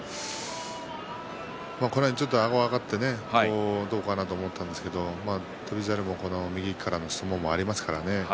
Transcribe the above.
この辺、あごが上がってどうかな？と思ったんですけど翔猿も右からの相撲がありますからね。